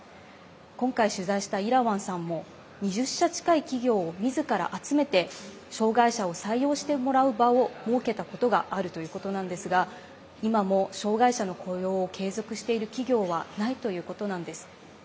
今回取材した、イラワンさんも２０社近い企業をみずから集めて障害者を採用してもらう場を設けたことがあるということなんですが今も障害者の雇用を継続している企業はないということなんです。